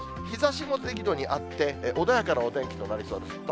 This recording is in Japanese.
日ざしも適度にあって、穏やかなお天気となりそうです。